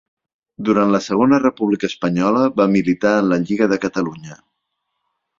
Durant la Segona República Espanyola va militar en la Lliga de Catalunya.